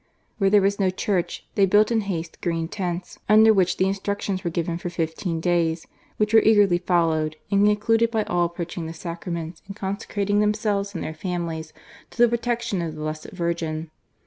Where there was no church, they built in haste green tents, under which the instructions were given for fifteen days, which were eagerly followed, and concluded by all approaching the Sacraments and consecrating themselves and their families to the protection of the Blessed Virgin.